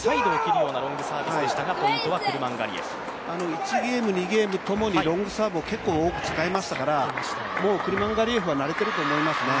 １ゲーム、２ゲームともにロングサーブを結構、多く使いましたからもうクルマンガリエフは慣れてると思いますね。